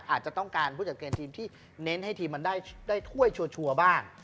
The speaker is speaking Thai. อาจจะต้องการผู้จัดเกมทีมที่เน้นให้ทีมมันได้ถ้วยชัวร์บ้าง